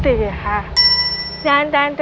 ต่อไปอีกหนึ่งข้อเดี๋ยวเราไปฟังเฉลยพร้อมกันนะครับคุณผู้ชม